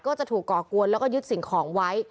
ก็จะถูกก่อกวนแล้วก็ยึดสิ่งของไว้